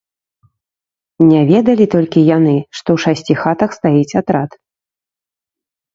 Не ведалі толькі яны, што ў шасці хатах стаіць атрад.